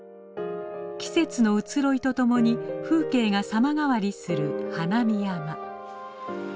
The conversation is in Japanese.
季節の移ろいとともに風景が様変わりする花見山。